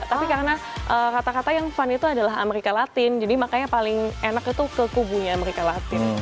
tapi karena kata kata yang fun itu adalah amerika latin jadi makanya paling enak itu ke kubunya amerika latin